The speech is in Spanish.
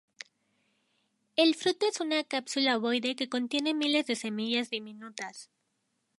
El fruto es una cápsula ovoide que contiene miles de semillas diminutas.